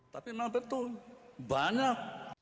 tapi memang betul banyak